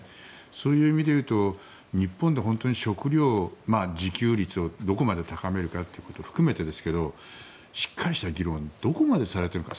そういう意味で言うと日本で食料自給率をどこまで高めるかということを含めてしっかりした議論がどこまでされているか。